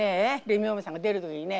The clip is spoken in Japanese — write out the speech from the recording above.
レミおばさんが出る時にね